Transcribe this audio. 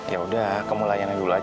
ya udah kamu layan aja dulu